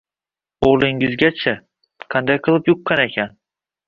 O`g`lingizga-chi, qanday qilib yuqqan ekan